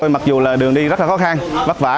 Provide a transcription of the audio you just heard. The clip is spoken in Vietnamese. mặc dù là đường đi rất là khó khăn vất vả